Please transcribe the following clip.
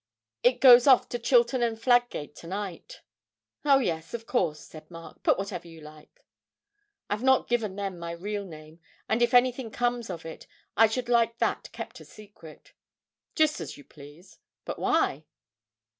It goes off to Chilton and Fladgate to night.' 'Oh yes, of course,' said Mark, 'put whatever you like.' 'I've not given them my real name, and, if anything comes of it, I should like that kept a secret.' 'Just as you please; but why?'